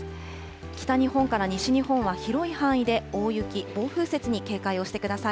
北日本から西日本は広い範囲で大雪、暴風雪に警戒をしてください。